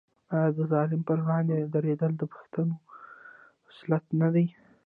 آیا د ظالم پر وړاندې دریدل د پښتون خصلت نه دی؟